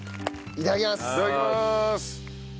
いただきまーす。